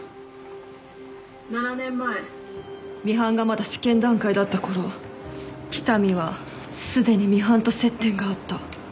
７年前ミハンがまだ試験段階だったころ北見はすでにミハンと接点があった。